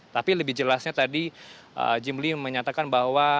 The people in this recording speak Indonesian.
tapi lebih jelasnya tadi jimli menyatakan bahwa